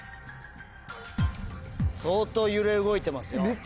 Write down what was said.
相当揺れ動いてますよ。